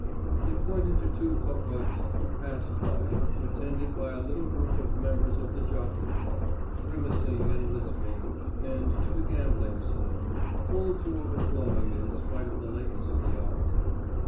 He pointed to two cocottes who passed by, attended by a little group of members of the Jockey Club, grimacing and lisping, and to the gambling saloon, full to overflowing in spite of the lateness of the hour.